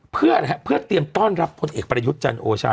เพื่อเกี่ยวต้อนรับพนักเอกปรยุทธ์จันโอชา